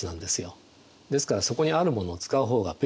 ですからそこにあるものを使う方が便利ですよね。